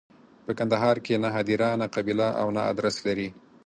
په کندهار کې نه هدیره، نه قبیله او نه ادرس لري.